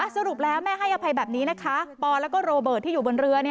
สรุปแล้วแม่ให้อภัยแบบนี้นะคะปอแล้วก็โรเบิร์ตที่อยู่บนเรือ